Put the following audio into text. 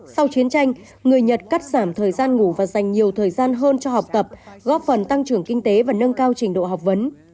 sau chiến tranh người nhật cắt giảm thời gian ngủ và dành nhiều thời gian hơn cho học tập góp phần tăng trưởng kinh tế và nâng cao trình độ học vấn